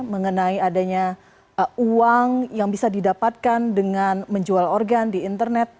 mengenai adanya uang yang bisa didapatkan dengan menjual organ di internet